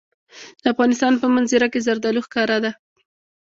د افغانستان په منظره کې زردالو ښکاره ده.